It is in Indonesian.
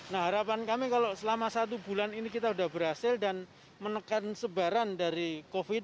nah harapan kami kalau selama satu bulan ini kita sudah berhasil dan menekan sebaran dari covid sembilan belas